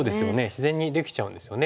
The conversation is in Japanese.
自然にできちゃうんですよね。